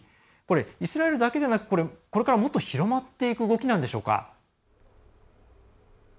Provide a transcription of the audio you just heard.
イスラエルだけではなくこれから、もっと広まっていく動きなんでしょうか。